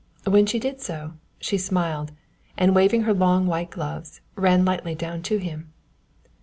When she did so, she smiled, and waving her long white gloves, ran lightly down to him.